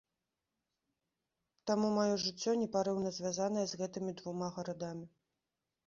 Таму маё жыццё непарыўна звязанае з гэтымі двума гарадамі.